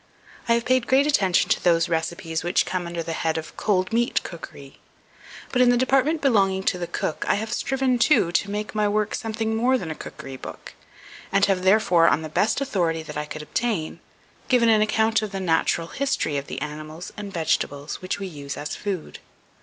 I have paid great attention to those recipes which come under the head of "COLD MEAT COOKERY." But in the department belonging to the Cook I have striven, too, to make my work something more than a Cookery Book, and have, therefore, on the best authority that I could obtain, given an account of the natural history of the animals and vegetables which we use as food.